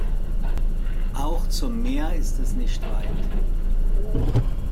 Auch zum Meer ist es nicht weit.